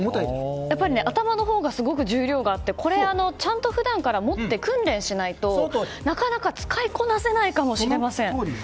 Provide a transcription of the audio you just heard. やっぱり頭のほうがすごく重量があってこれ、ちゃんと普段から持って訓練しないとなかなか使いこなせないかもしれません。